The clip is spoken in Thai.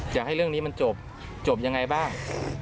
อยากให้เรื่องนี้มันจบจบยังไงบ้าง